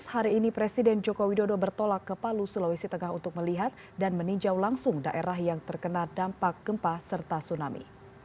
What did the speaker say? hari ini presiden joko widodo bertolak ke palu sulawesi tengah untuk melihat dan meninjau langsung daerah yang terkena dampak gempa serta tsunami